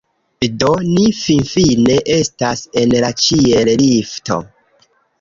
Do ni finfine estas en la ĉiel-lifto